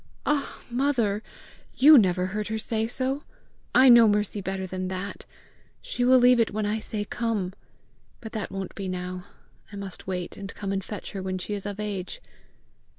"Ah, mother, YOU never heard her say so! I know Mercy better than that! She will leave it when I say COME. But that won't be now. I must wait, and come and fetch her when she is of age."